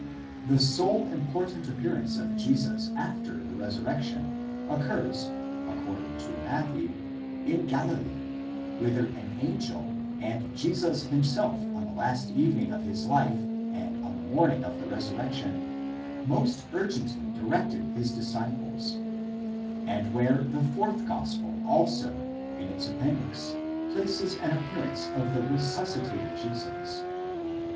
*7 The sole important appearance of Jesus after the resurrection occurs, according to Matthew, in Galilee, whither an angel, and Jesus himself on the last evening of his life and on the morning of the resurrection, most urgently directed his disciples, and where the fourth gospel also, in its appendix, places an appear ance of the resuscitated Jesus.